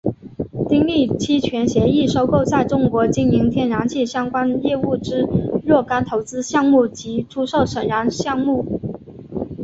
订立期权协议收购在中国经营天然气相关业务之若干投资项目及出售沈阳项目。